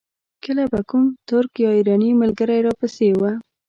کله به کوم ترک یا ایراني ملګری را پسې و.